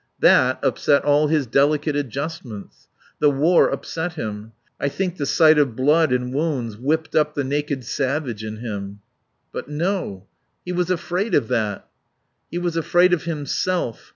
That upset all his delicate adjustments. The war upset him. I think the sight of blood and wounds whipped up the naked savage in him." "But no. He was afraid of that." "He was afraid of himself.